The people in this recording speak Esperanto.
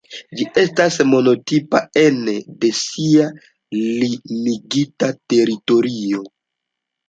Ĝi estas monotipa ene de sia limigita teritorio.